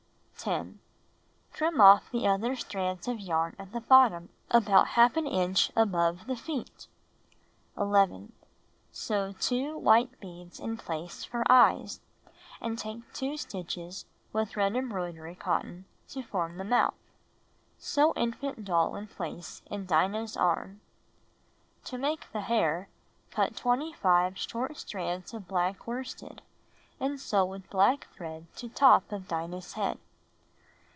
10. Trim off the other strands of yarn at the bottom about J inch above the feet. 11. Sew two white beads in place for eyes, and take two stitches with red embroidery cotton to form the mouth. Sew infant doll in place m Dinah's arm. To make the hair, cut 25 short strands of black worsted and sew with black thread to top of Dinah's head.